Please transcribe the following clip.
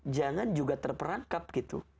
jangan juga terperangkap gitu